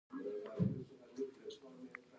سړه شربت د دوبی سړښت راولي